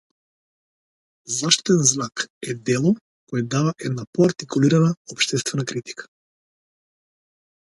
Заштитен знак е дело кое дава една поартикулирана општествена критика.